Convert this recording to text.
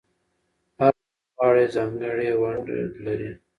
هر لوبغاړی ځانګړې ونډه لري.